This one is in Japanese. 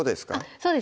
そうです